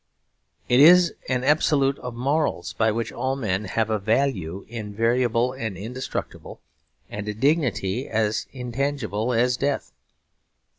It is an absolute of morals by which all men have a value invariable and indestructible and a dignity as intangible as death.